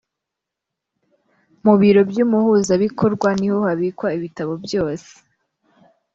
Mu biro by’Umuhuzabikorwa niho habikwa ibitabo byose